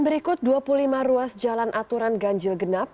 berikut dua puluh lima ruas jalan aturan ganjil genap